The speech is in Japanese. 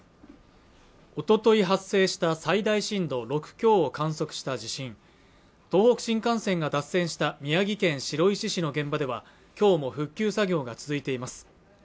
おととい発生した最大震度６強を観測した地震東北新幹線が脱線した宮城県白石市の現場ではきょうも復旧作業が続いています